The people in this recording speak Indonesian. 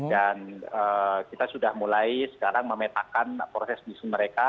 dan kita sudah mulai sekarang memetakkan proses bisnis mereka